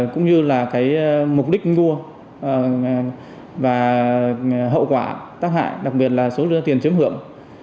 cũng như là cái mục đích mua và hậu quả tác hại đặc biệt là số tiền chiếm hưởng